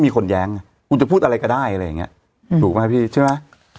มีคนแย้งไงคุณจะพูดอะไรก็ได้อะไรอย่างเงี้ยถูกไหมพี่ใช่ไหม